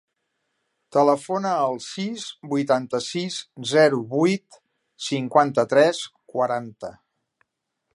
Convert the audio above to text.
Telefona al sis, vuitanta-sis, zero, vuit, cinquanta-tres, quaranta.